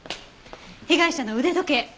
被害者の腕時計。